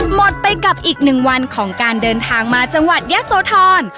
หมดไปกับอีกหนึ่งวันของการเดินทางมาจังหวัดยะโสธร